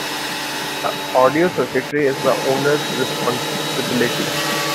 The audio circuitry is the owner's responsibility.